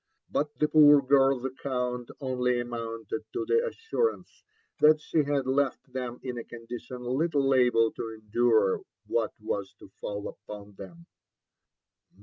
But the poor girl's account only amounted to the assurance that she had left them in a condition little able to endure what was to fall upon them.